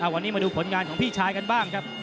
วันนี้มาดูผลงานของพี่ชายกันบ้างครับ